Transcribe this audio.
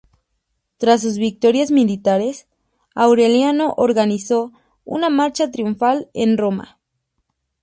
Tras sus victorias militares, Aureliano organizó una marcha triunfal en Roma.